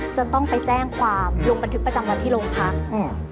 จนต้องไปแจ้งความลงบันทึกประจำวันที่โรงพักอืม